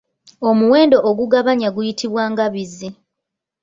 Omuwendo ogugabanya guyitibwa Ngabizi.